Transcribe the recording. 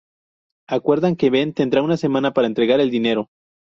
Acuerdan que Ben tendrá una semana para entregar el dinero.